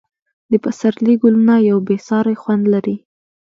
د پسرلي ګلونه یو بې ساری خوند لري.